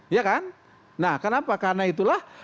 ya kan nah kenapa karena itulah